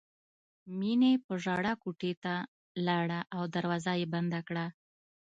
مینې په ژړا کوټې ته لاړه او دروازه یې بنده کړه